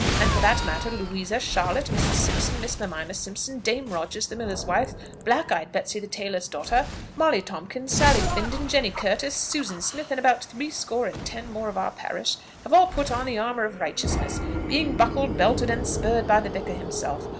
and, for that matter, Louisa, Charlotte, Mrs. Simpson, Miss Mimima Simpson, Dame Rogers the miller's wife, black eyed Betsey the tailor's daughter, Molly Tomkins, Sally Finden, Jenny Curtis, Susan Smith, and about threescore and ten more of our parish, have all put on the armour of righteousness, being buckled, belted, and spurred by the vicar himself.